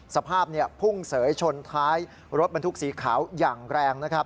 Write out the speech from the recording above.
สภาพพุ่งเสยชนท้ายรถบรรทุกสีขาวอย่างแรงนะครับ